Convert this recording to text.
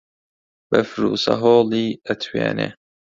بەفر و سەهۆڵی ئەتوێنێ